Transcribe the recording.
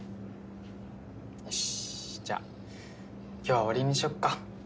よしじゃあ今日は終わりにしよっか。